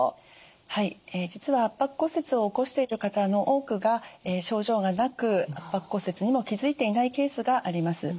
はい実は圧迫骨折を起こしている方の多くが症状がなく圧迫骨折にも気付いていないケースがあります。